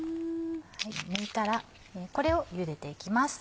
むいたらこれをゆでていきます。